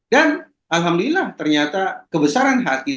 dan alhamdulillah ternyata kebesaran hati dari kapolri itu